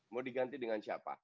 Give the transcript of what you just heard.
mau diganti dengan siapa